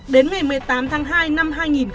đến ngày một mươi tám tháng hai năm hai nghìn hai mươi